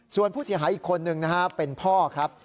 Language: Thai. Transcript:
ส่วนผู้เสียหายอีกคนนึงนะครับเป็นพ่อครับ